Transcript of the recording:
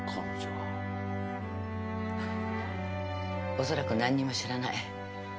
おそらく何も知らない。